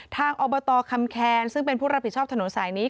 อบตคำแคนซึ่งเป็นผู้รับผิดชอบถนนสายนี้